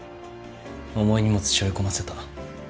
重い荷物背負い込ませた。